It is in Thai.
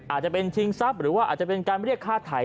อาจจะเป็นชิงทรัพย์หรือว่าอาจจะเป็นการเรียกค่าไถ่